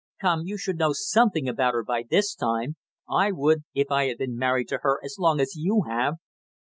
Come, you should know something about her by this time; I would, if I had been married to her as long as you have."